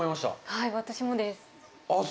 はい私もですあっ